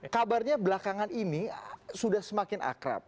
kabarnya belakangan ini sudah semakin akrab